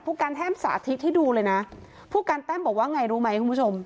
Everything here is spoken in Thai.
ผู้กันแท่มสาธิตที่ดูเลยนะผู้กันแต้มบอกว่าไงรู้ไหมคุณผู้ชม